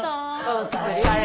お疲れ。